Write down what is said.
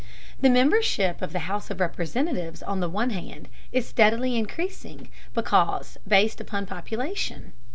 The membership of the House of Representatives, on the other hand, is steadily increasing, because based upon population.